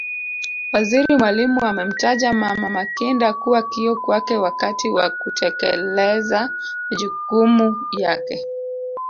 Waziri Mwalimu amemtaja Mama Makinda kuwa kioo kwake wakati wa kutekeleza majukumu yake